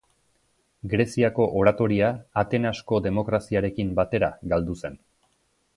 Greziako oratoria Atenasko demokraziarekin batera galdu zen.